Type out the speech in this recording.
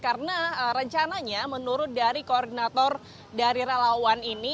karena rencananya menurut dari koordinator dari relawan ini